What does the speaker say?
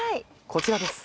こちらです。